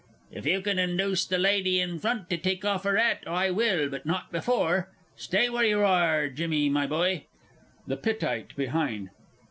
If you can indooce that lady in front to take off her 'at, I will but not before. Stay where you are, Jimmy, my boy. THE PITTITE BEHIND.